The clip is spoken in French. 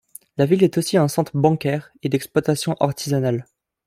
La ville est aussi un centre bancaire et d'exploitation artisanale.